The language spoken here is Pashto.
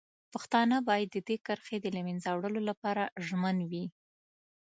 پښتانه باید د دې کرښې د له منځه وړلو لپاره ژمن وي.